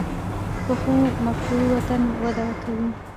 پخو مفکورو وطن وده کوي